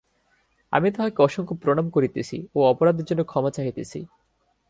আমি তাঁহাকে অসংখ্য প্রণাম করিতেছি ও অপরাধের জন্য ক্ষমা চাহিতেছি।